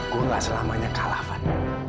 gue gak selamanya kalah fan